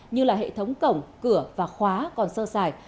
như là hệ thống cổng cửa và khóa còn sơ sài